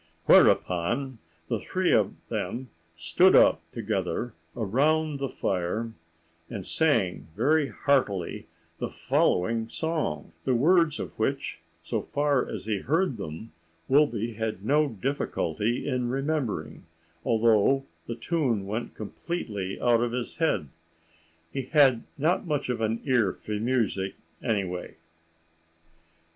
Whereupon the three of them stood up together around the fire, and sang very heartily the following song, the words of which, so far as he heard them, Wilby had no difficulty in remembering, although the tune went completely out of his head. He had not much of an ear for music, any way.